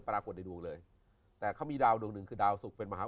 ปรากฏในดวงเลยแต่เขามีดาวดวงหนึ่งคือดาวสุกเป็นมหา